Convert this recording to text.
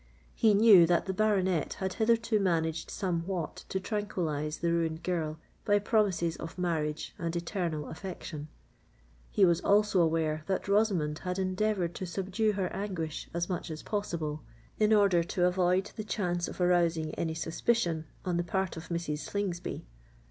He knew that the baronet had hitherto managed somewhat to tranquillise the ruined girl by promises of marriage and eternal affection;—he was also aware that Rosamond had endeavoured to subdue her anguish as much as possible in order to avoid the chance of arousing any suspicion on the part of Mrs. Slingsby!